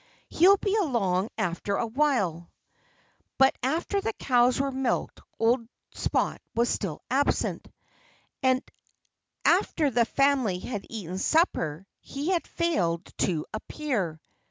He'll be along after a while." But after the cows were milked old Spot was still absent. And after the family had eaten supper he had failed to appear.